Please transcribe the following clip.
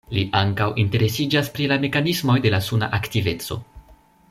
Li ankaŭ interesiĝas pri la mekanismoj de la suna aktiveco.